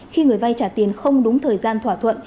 khi người vay trả tiền không đúng thời gian thỏa thuận